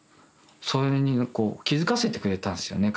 それにこう気付かせてくれたんですよね